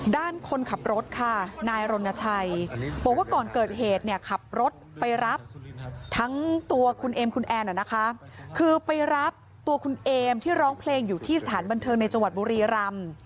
คนขับรถค่ะนายรณชัยบอกว่าก่อนเกิดเหตุเนี่ยขับรถไปรับทั้งตัวคุณเอมคุณแอนนะคะคือไปรับตัวคุณเอมที่ร้องเพลงอยู่ที่สถานบันเทิงในจังหวัดบุรีรำ